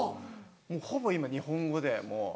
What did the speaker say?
もうほぼ今日本語でもう。